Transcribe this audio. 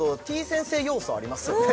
先生要素ありますよね